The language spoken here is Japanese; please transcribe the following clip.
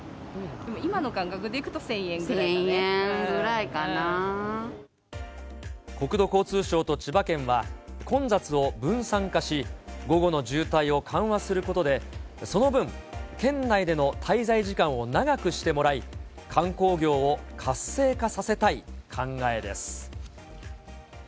今の感覚でいくと１０００円国土交通省と千葉県は、混雑を分散化し、午後の渋滞を緩和することで、その分、県内での滞在時間を長くしてもらい、観光業を活性化させたい考えです。